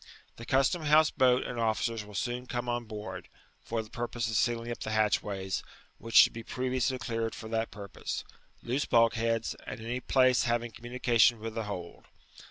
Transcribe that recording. The custom house boat and officers will soon come on board, for the purpose of sealing up the hatchways, which should be previouslv cleared for that purpose; loose bulk heacb, and any place havinff communication with the hold.